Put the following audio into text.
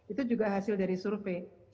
itu juga hasil dari survei